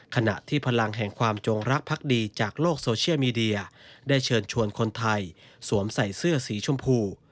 ขณะที่พลังแห่งความจงรักพักดีจากโลกโซเชียลมีเดียได้เชิญชวนคนไทยสวมใส่เสื้อสีชมพู